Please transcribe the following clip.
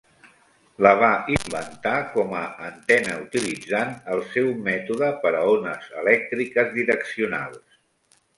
La va inventar com a antena utilitzant el seu "mètode per a ones elèctriques direccionals".